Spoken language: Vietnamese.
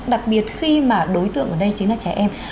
đặc biệt khi mà đối tượng ở đây chính là trẻ em